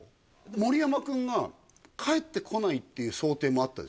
盛山君が帰ってこないっていう想定もあったでしょ